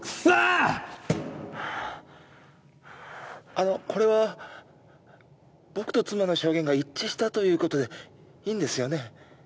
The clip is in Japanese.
あのこれは僕と妻の証言が一致したということでいいんですよね？